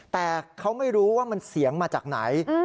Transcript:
แต่เขาไม่รู้ว่ามันเสียงมาจากไหน